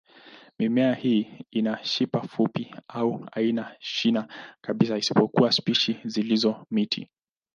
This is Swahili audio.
Mimea hii ina shina fupi au haina shina kabisa, isipokuwa spishi zilizo miti.